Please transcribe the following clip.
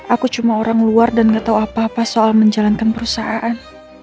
aku cuma orang luar dan gak tahu apa apa soal menjalankan perusahaan